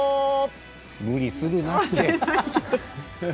無理するなって。